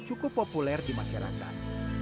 cukup populer di masyarakat